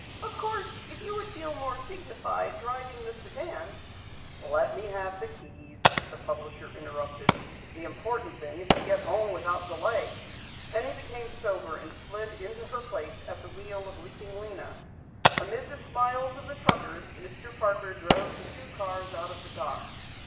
"Of course, if you would feel more dignified driving the sedan " "Let me have the keys," the publisher interrupted. "The important thing is to get home without delay." Penny became sober, and slid into her place at the wheel of Leaping Lena. Amid the smiles of the truckers, Mr. Parker drove the two cars out of the dock.